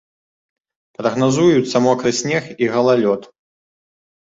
Прагназуюцца мокры снег і галалёд.